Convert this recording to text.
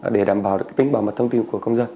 để đảm bảo được tính bảo mật thông tin của công dân